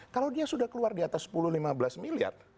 kalau dia sudah keluar di atas sepuluh lima belas miliar